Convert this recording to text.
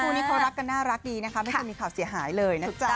คู่นี้เขารักกันน่ารักดีนะคะไม่เคยมีข่าวเสียหายเลยนะจ๊ะ